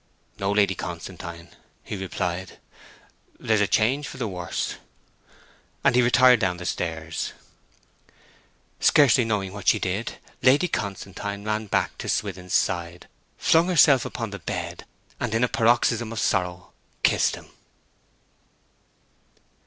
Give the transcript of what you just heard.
'No, Lady Constantine,' he replied; 'there's a change for the worse.' And he retired down the stairs. Scarcely knowing what she did Lady Constantine ran back to Swithin's side, flung herself upon the bed and in a paroxysm of sorrow kissed him.